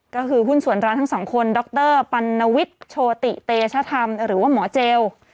ก็คือหุ้นส่วนร้านทั้งสองคนดรปัณวิทย์โชติเตชธรรมหรือว่าหมอเจล